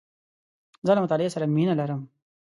زه له مطالعې سره مینه لرم .